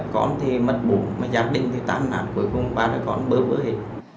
con thì mất bụng mà gia đình thì tan nạt cuối cùng ba đứa con bớ vỡ hết